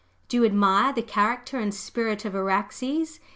Do you admire the character and spirit of Araxes?